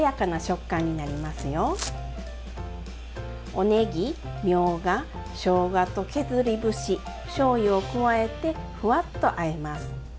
おねぎみょうがしょうがと削り節しょうゆを加えてふわっとあえます。